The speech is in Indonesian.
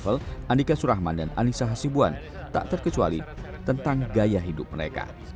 pemerintah first travel andika surahman dan anissa hasibuan tak terkecuali tentang gaya hidup mereka